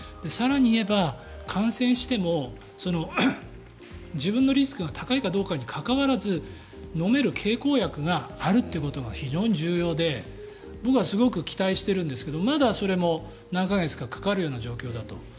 更に言えば、感染しても自分のリスクが高いかどうかに関わらず飲める経口薬があるってことが非常に重要で僕はすごく期待してるんですがまだそれも何か月かかかるような状況だと。